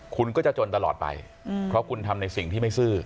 คุณก็จะจนตลอดไปเพราะคุณทำในสิ่งที่ไม่ซื่อ